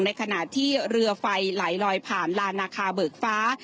ในขณะที่เรือไฟไหลลอยผ่านลานนาคาเบิกฟ้า